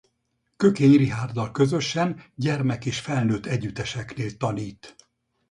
Kökény Richárddal közösen gyermek és felnőtt együtteseknél tanít.